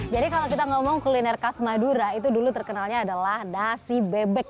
jadi kalau kita ngomong kuliner khas madura itu dulu terkenalnya adalah nasi bebek